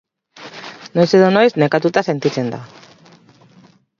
Noiz edo noiz nekatuta sentitzen da.